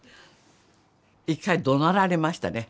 一回どなられましたね